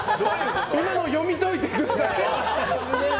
今の読み解いてください。